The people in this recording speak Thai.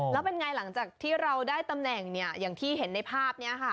แล้วเป็นไงหลังจากที่เราได้ตำแหน่งเนี่ยอย่างที่เห็นในภาพนี้ค่ะ